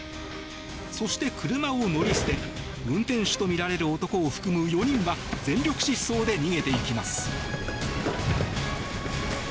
そして、車を乗り捨て運転手とみられる男を含む４人は全力疾走で逃げていきます。